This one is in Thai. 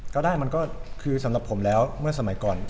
ก็ได้มันก็คือสำหรับผมแล้วเมื่อสมัยก่อน